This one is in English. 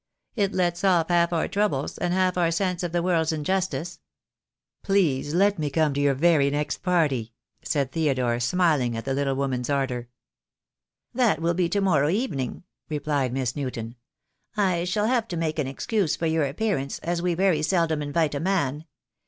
It lets off half our troubles, and half our sense of the world's injustice." "Please let me come to your very next party," said Theodore, smiling at the little woman's ardour. "That will be to morrow evening," replied Miss Newton. "I shall have to make an excuse for your appearance, as we very seldom invite a man.